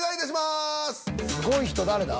すごい人誰だ？